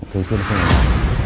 thế xuyên không có mặt thể